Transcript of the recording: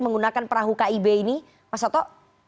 menggunakan perahu kib ini mas soto